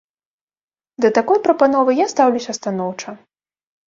Да такой прапановы я стаўлюся станоўча.